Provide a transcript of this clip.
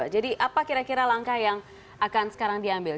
jadi apa kira kira langkah yang akan sekarang diambil